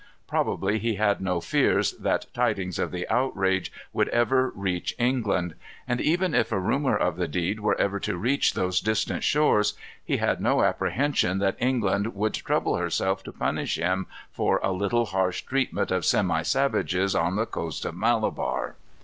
Probably he had no fears that tidings of the outrage would ever reach England. And even if a rumor of the deed were ever to reach those distant shores, he had no apprehension that England would trouble herself to punish him for a little harsh treatment of semi savages on the coast of Malabar.